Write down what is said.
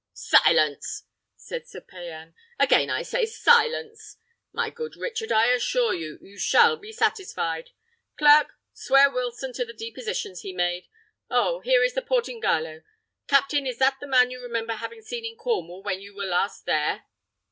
"Silence!" said Sir Payan; "again I say, silence! My good Richard, I assure you, you shall be satisfied. Clerk, swear Wilson to the depositions he made. Oh! here is the Portingallo. Captain, is that the man you remember having seen in Cornwall when you were last there?"